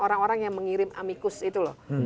orang orang yang mengirim amicus itu loh